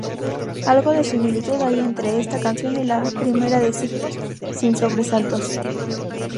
Algo de similitud hay entre esta canción y la primera de "Signos", "Sin sobresaltos".